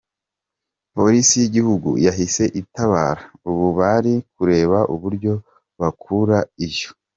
Polisi y’Igihugu yahise itabara, ubu bari kureba uburyo bakura iyo.